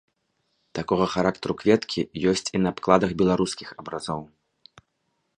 Такога характару кветкі ёсць і на абкладах беларускіх абразоў.